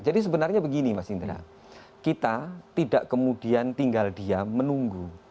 jadi sebenarnya begini mas indra kita tidak kemudian tinggal diam menunggu